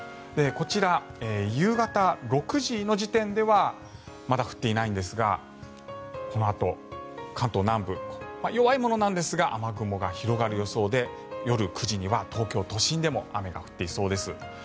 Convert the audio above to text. こちら、夕方６時の時点ではまだ降っていないんですがこのあと関東南部弱いものなんですが雨雲が広がる予想で夜９時には東京都心でも雨が降っていそうです。